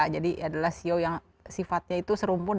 jadi adalah ceo yang sifatnya itu serumpun